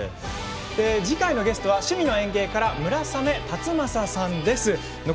次回のゲストは「趣味の園芸」から村雨辰剛さんです。